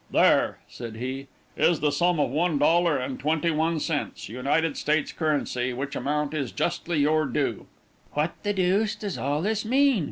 "There," said he, "is the sum of one dollar and twenty one cents, United States currency, which amount is justly your due." "What the deuce does all this mean?"